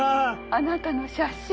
「あなたの写真」。